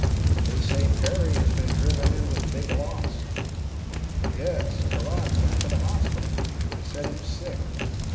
"They say Perry has been driven in with big loss." "Yes, Carrott went t' th' hospital. He said he was sick.